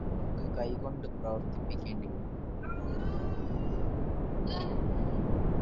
അതുകൊണ്ട് നമുക്ക് കൈകൊണ്ട് പ്രവര്ത്തിപ്പിക്കേണ്ടിവരും